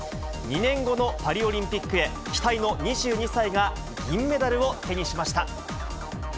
２年後のパリオリンピックへ、期待の２２歳が銀メダルを手にしました。